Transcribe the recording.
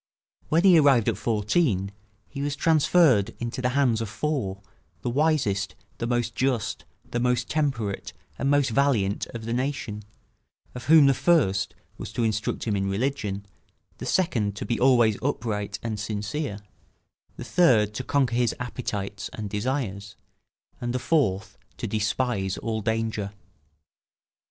When he arrived at fourteen he was transferred into the hands of four, the wisest, the most just, the most temperate, and most valiant of the nation; of whom the first was to instruct him in religion, the second to be always upright and sincere, the third to conquer his appetites and desires, and the fourth to despise all danger.